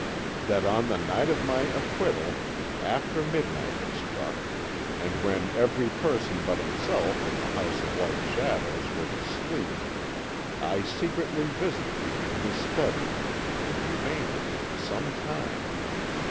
"That on the night of my acquittal, after midnight had struck, and when every person but himself in the House of White Shadows was asleep, I secretly visited him in his study, and remained with him some time.